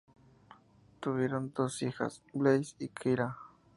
Tuvieron dos hijas, Blaise y Kyra.